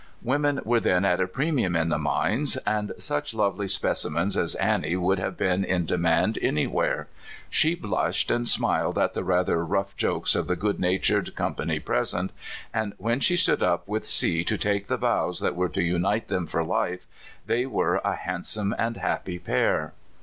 Women were then at a premium in the mines, and such lovely speci mens as Annie would have been in demand an}^ where. She blushed and smiled at the rather rough jokes of the good natured company present, and when she stood up with C to take the vows that were to unite them for life they were a hand some and happy pair.